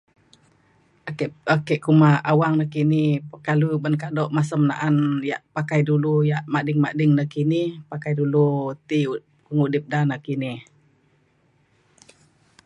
ake ake kuma awang nakini pekaliu ban kado masem na’an yak pakai dulu yak mading mading nakini pakai dulu ti pengudip da nakini